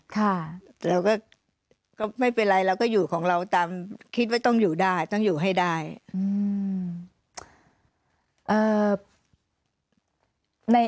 ค่ะเราก็ไม่เป็นไรเราก็อยู่ของเราตามคิดว่าต้องอยู่ได้ต้องอยู่ให้ได้อืม